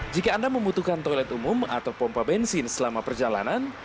jika anda membutuhkan toilet umum atau pompa bensin selama perjalanan